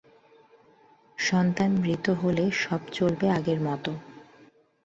সন্তান মৃত হলে সব চলবে আগের মতো।